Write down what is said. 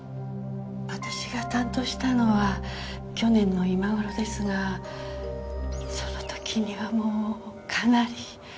私が担当したのは去年の今頃ですがその時にはもうかなり。